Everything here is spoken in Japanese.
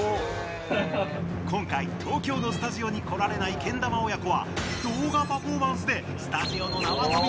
今回、東京のスタジオに来られない、けん玉親子は動画パフォーマンスでスタジオのなわとび